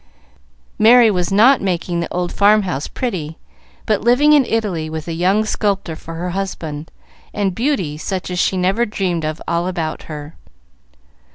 Merry was not making the old farmhouse pretty, but living in Italy, with a young sculptor for her husband, and beauty such as she never dreamed of all about her.